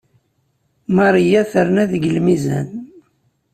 Maria terna deg lmizan.